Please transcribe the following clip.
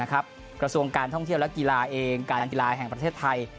กระทรวงการท่องเที่ยวและกีฬาเองการกีฬาแห่งประเทศไทย